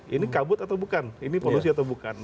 ini kabut atau bukan ini polusi atau bukan